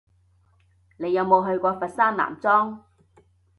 你有冇去過佛山南莊？